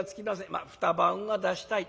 まあ２晩は出したい。